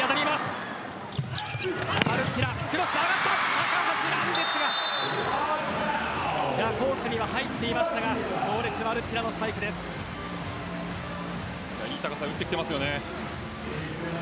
高橋藍ですがコースには入っていましたが強烈、マルッティラのいい高さ打ってきていますよね。